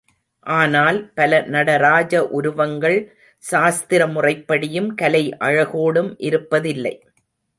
ஆனால் பல நடராஜ உருவங்கள் சாஸ்திர முறைப்படியும் கலை அழகோடும் இருப்பதில்லை.